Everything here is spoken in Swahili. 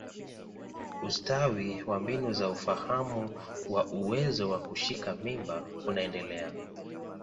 Ustawi wa mbinu za ufahamu wa uwezo wa kushika mimba unaendelea.